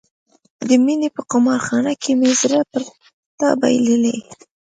د مینې په قمار خانه کې مې زړه پر تا بایللی.